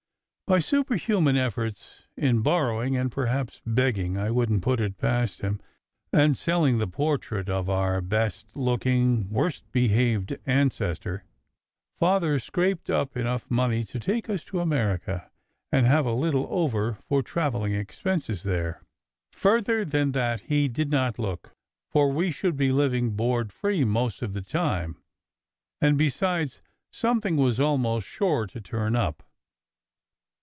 By superhuman efforts in borrowing, and perhaps beg ging (I wouldn t "put it past him"), and selling the portrait of our best looking, worst behaved ancestor, Father scraped up enough money to take us to America and have a little over for travelling expenses there. Further than that he did not look, for we should be living board free most of the time; and besides, something was almost sure to turn up.